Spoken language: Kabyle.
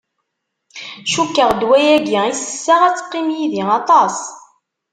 Cukkeɣ ddwa-yagi i sesseɣ ad teqqim yid-i aṭas.